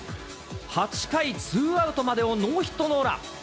８回ツーアウトまでをノーヒットノーラン。